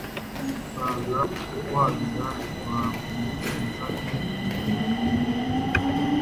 Rwanga kugwabira, Rwa Mugenza ndi umukogoto w'amarere;